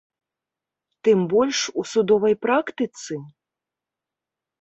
Тым больш, у судовай практыцы?